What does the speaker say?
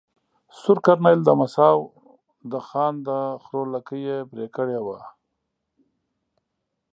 سور کرنېل د مساو د خان د خرو لکې ېې پرې کړي وه.